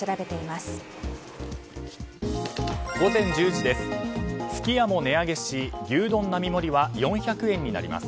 すき家も値上げし牛丼並盛は４００円になります。